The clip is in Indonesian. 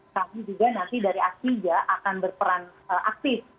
kami juga nanti dari aksinya akan berperan aktif